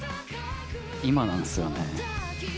今なんですよね。